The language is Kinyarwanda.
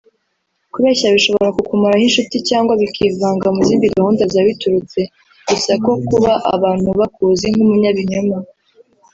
Kubeshya bishobora kukumaraho inshuti cyangwa bikivanga mu zindi gahunda zawe biturutse gusa ku kuba abantu bakuzi nk’umunyabinyoma